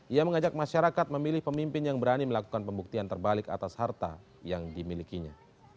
ia mengajak masyarakat memilih pemimpin yang berani melakukan pembuktian terbalik atas harta yang dimilikinya